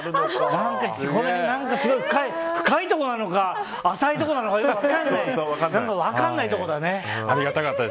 深いところなのか浅いところなのかよく分かんないとこだね。